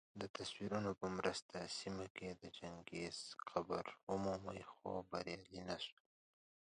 دتصویرونو په مرسته سیمه کي د چنګیز قبر ومومي خو بریالي نه سول